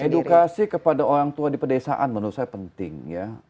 edukasi kepada orang tua di pedesaan menurut saya penting ya